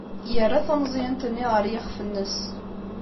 Yerra tameẓyant-nni ɣer yiɣef-nnes.